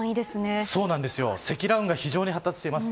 積乱雲が非常に発達しています。